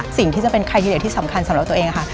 สิ่งที่จะเป็นคายเทียร์ที่สำคัญสำหรับตัวเองค่ะ